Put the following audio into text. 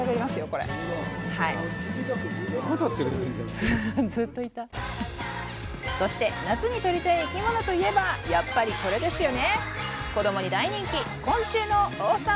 これそして夏にとりたい生き物といえばやっぱりこれですよね